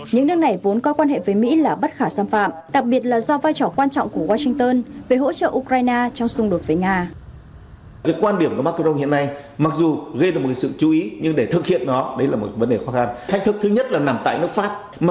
những nước này vốn coi quan hệ với mỹ là bất khả xâm phạm